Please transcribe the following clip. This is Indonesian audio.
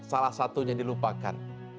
salah satunya dilupakan